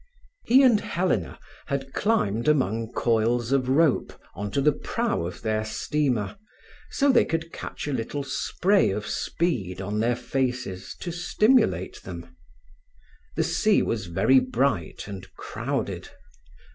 He and Helena had climbed among coils of rope on to the prow of their steamer, so they could catch a little spray of speed on their faces to stimulate them. The sea was very bright and crowded.